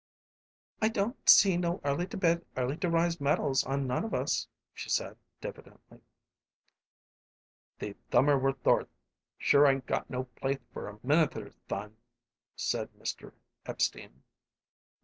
"I don't see no early to bed early to rise medals on none of us," she said, diffidently. "These thummer rethorts sure ain't no plathe for a minither's thon," said Mr. Epstein.